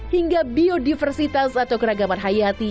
hingga biodiversitas atau keragaman hayati